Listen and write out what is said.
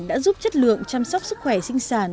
đã giúp chất lượng chăm sóc sức khỏe sinh sản